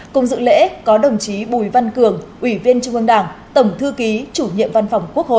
cùng dự lễ có đồng chí bùi văn cường ủy viên trung ương đảng tổng thư ký chủ nhiệm văn phòng quốc hội